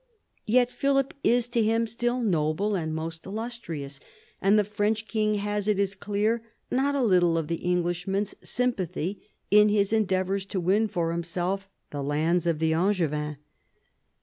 Yet Philip is to him still " noble " and " most illustrious," and the French king has, it is clear, not a little of the Englishman's sympathy in his endeavours to win for himself the lands of the Angevins.